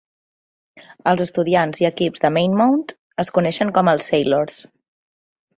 Els estudiants i equips de Maymount es coneixen com els "Sailors".